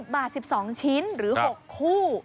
บาท๑๒ชิ้นหรือ๖คู่